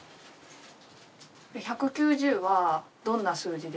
１９０はどんな数字ですか？